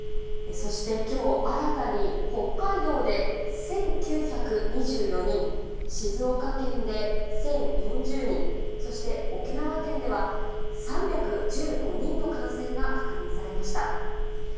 そしてきょう、新たに北海道で１９２４人、静岡県で１０４０人、そして沖縄県では３１５人の感染が確認されました。